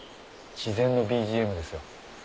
自然のＢＧＭですよ。